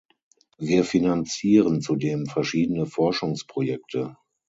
Wir finanzieren zudem verschiedene Forschungsprojekte.